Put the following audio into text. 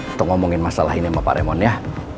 atau ngomongin masalah ini sama pak remon ya